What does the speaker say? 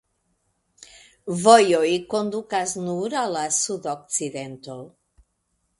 Vojoj kondukas nur al la sudokcidento.